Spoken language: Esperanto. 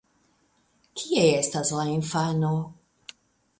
Kie estas la infano?